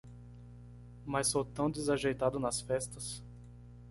Mas sou tão desajeitado nas festas.